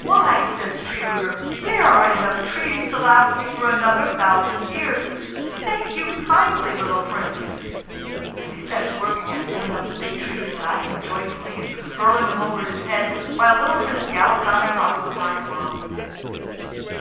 "Why," says Tree rooter, "here are enough trees to last me for another thousand years. Thank you kindly, little Prince." And he set to work again, pulling up the big trees, laughing joyfully and hurling them over his head, while little Prince Ivan galloped on across the wide world.